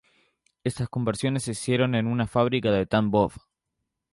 Estas conversiones se hicieron en una fábrica de Tambov.